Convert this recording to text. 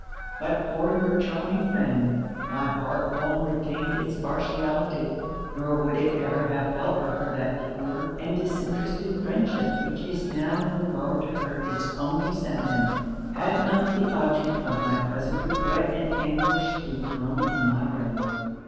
But for your charming friend my heart long retained it's partiality; nor would it ever have felt for her that pure and disinterested friendship which is now in regard to her it's only sentiment, had not the object of my present regret and anguish been thrown in my way.